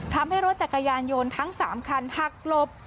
ทำให้รถจักรยานยนต์ทั้ง๓คันหักหลบ